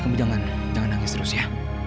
kamu jangan nangis terus ya